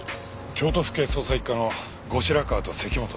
京都府警捜査一課の後白河と関本です。